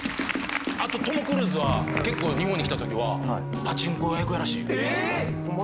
あとトム・クルーズは結構日本に来たときはパチンコ屋行くらしいよええー？